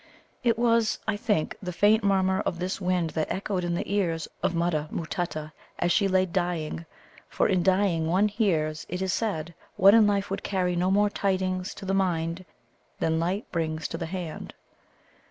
It was, I think, the faint murmur of this wind that echoed in the ear of Mutta matutta as she lay dying, for in dying one hears, it is said, what in life would carry no more tidings to the mind than light brings to the hand.